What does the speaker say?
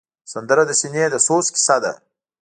سندره د سینې د سوز کیسه ده